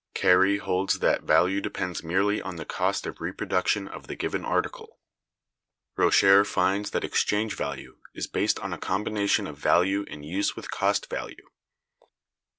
Carey(202) holds that value depends merely on the cost of reproduction of the given article. Roscher(203) finds that exchange value is "based on a combination of value in use with cost value."